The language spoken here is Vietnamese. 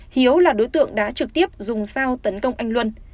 hiếu là đối tượng đã trực tiếp dùng sao tấn công anh luân